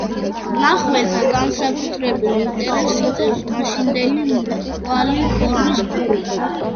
მნახველთა განსაკუთრებულ ინტერესს იწვევს მაშინდელი მრგვალი ფორმის პური.